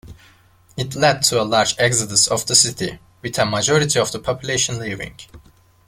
It led to a large exodus of the city, with a majority of the population leaving.